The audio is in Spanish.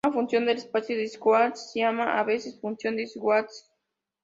Una función del espacio de Schwartz se llama a veces "función de Schwartz".